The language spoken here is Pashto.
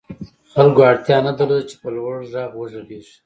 خلکو اړتیا نه درلوده چې په لوړ غږ وغږېږي